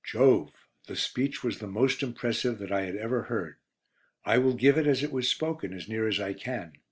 Jove! The speech was the most impressive that I had ever heard. I will give it as it was spoken, as near as I can.